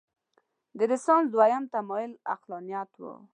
د رنسانس دویم تمایل عقلانیت و.